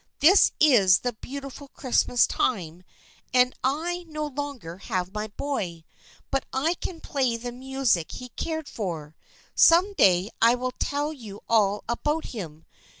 This is the beautiful Christmas time and I no longer have my boy, but I can play the music he cared for. Some day I will tell you all about him.